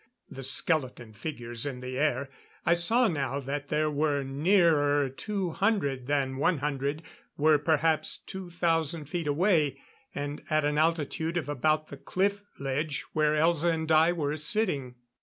The skeleton figures in the air I saw now that there were nearer two hundred than one hundred were perhaps two thousand feet away, and at an altitude of about the cliff ledge where Elza and I were sitting.